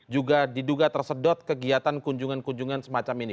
juga diduga tersedot kegiatan kunjungan kunjungan semacam ini